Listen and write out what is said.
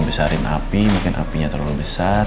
besarin api mungkin apinya terlalu besar